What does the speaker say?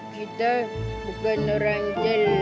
kita bukan orang jelek